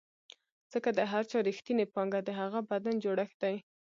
ځکه د هر چا رښتینې پانګه د هغه بدن جوړښت دی.